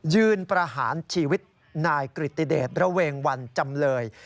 ประหารชีวิตนายกริติเดชระเวงวันจำเลย